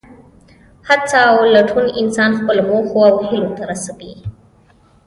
هڅه او لټون انسان خپلو موخو او هیلو ته رسوي.